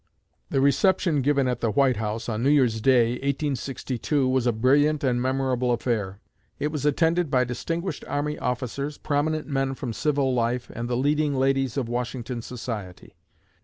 The reception given at the White House on New Year's day, 1862, was a brilliant and memorable affair. It was attended by distinguished army officers, prominent men from civil life, and the leading ladies of Washington society.